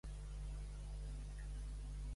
Ningú fa les gloses més avingudes que l'enamorat.